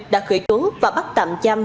đã khởi cố và bắt tạm giam